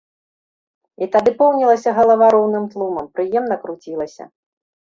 І тады поўнілася галава роўным тлумам, прыемна круцілася.